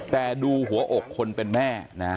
แต่ดูหัวอกคนเป็นแม่นะ